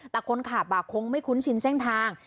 แต่คนขับคงไม่คุ้นชินเส้นทาง